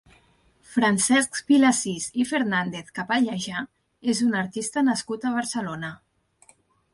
Francesc Vilasís i Fernández-Capallejà és un artista nascut a Barcelona.